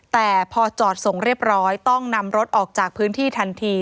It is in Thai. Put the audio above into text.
แต่พอจอดส่งเรียบร้อยต้องนำรถออกจากพื้นที่ทันที